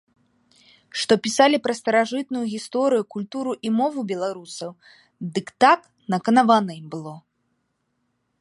Што пісалі пра старажытную гісторыю, культуру і мову беларусаў, дык так наканавана ім было.